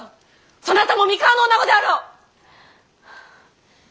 そなたも三河のおなごであろう！